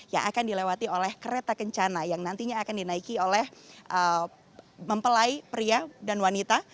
yang akan dilewati oleh kereta kencana yang nantinya akan dinaiki oleh mempelai pria dan wanita